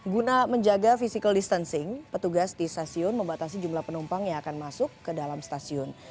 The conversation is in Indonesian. guna menjaga physical distancing petugas di stasiun membatasi jumlah penumpang yang akan masuk ke dalam stasiun